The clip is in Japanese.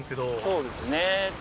そうですね。